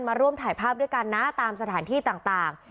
มาร่วมถ่ายภาพด้วยกันนะตามสถานที่ต่าง